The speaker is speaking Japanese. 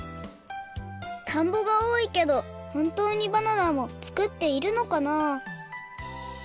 たんぼがおおいけどほんとうにバナナも作っているのかな？